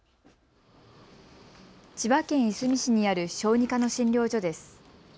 千葉県いすみ市にある小児科の診療所です。